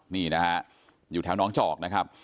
นี่นะฮะอยู่แถวน้องจอกนะครับ